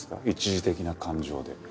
一時的な感情で。